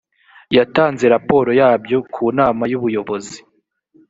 yatanze raporo yabyo ku nama y’ubuyobozi.